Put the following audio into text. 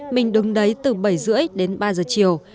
mình đứng đấy từ bảy h ba mươi đến ba giờ chiều